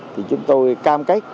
thì chúng tôi cam kết